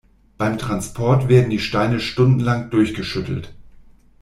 Beim Transport werden die Steine stundenlang durchgeschüttelt.